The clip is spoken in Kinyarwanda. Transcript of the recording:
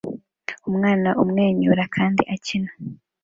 Umwana amwenyura kandi akina